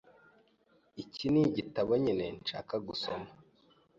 Iki nigitabo nyine nshaka gusoma.